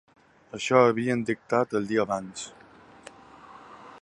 Això havien dictat el dia abans.